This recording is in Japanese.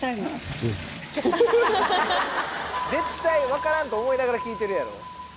絶対分からんと思いながら聞いてるやろ。